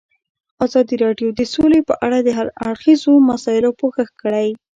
ازادي راډیو د سوله په اړه د هر اړخیزو مسایلو پوښښ کړی.